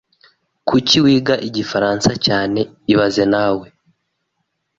Kuki wiga Igifaransa cyane ibaze nawe